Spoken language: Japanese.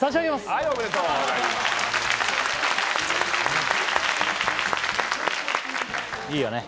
はいおめでとうございますいいよね